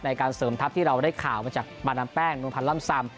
การเสริมทัพที่เราได้ข่าวมาจากมาดามแป้งนวลพันธ์ล่ำซำ